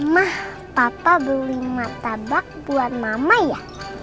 mah papa beli mata bak buat mama ya